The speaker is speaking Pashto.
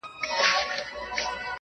ژوند له کاره نه ښکلی کېږي.